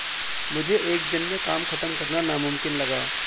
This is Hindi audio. मुझे एक दिन में काम खतम करना नामुमकिन लगा।